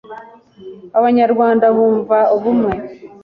abanyarwanda bumva ubumwe